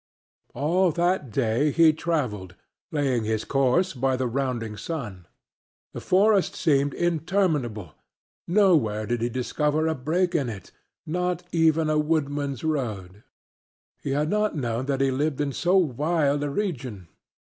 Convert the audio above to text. All that day he traveled, laying his course by the rounding sun. The forest seemed interminable; nowhere did he discover a break in it, not even a woodman's road. He had not known that he lived in so wild a region.